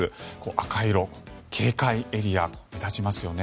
赤い色、警戒エリア目立ちますよね。